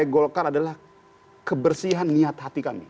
pegangan kami partai golkar adalah kebersihan niat hati kami